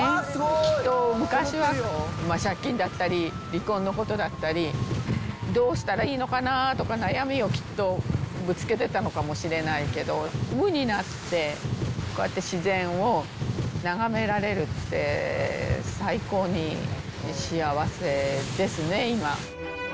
きっと、昔は借金だったり、離婚のことだったり、どうしたらいいのかなとか、悩みをきっとぶつけてたのかもしれないけど、無になって、こうやって自然を眺められるって、最高に幸せですね、今。